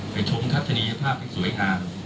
ไปชมทัศนีภาพให้สวยหา